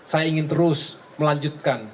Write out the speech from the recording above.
saya ingin terus melanjutkan